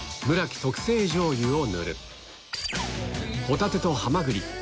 き特製じょうゆを塗るホタテとハマグリ